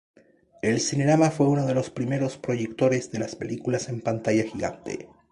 El Cinerama fue uno de los primeros proyectores de las películas en pantalla gigante.